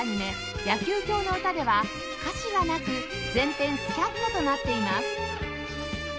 『野球狂の詩』では歌詞がなく全編スキャットとなっています